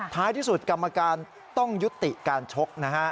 ท้ายที่สุดกรรมการต้องยุติการชกนะฮะ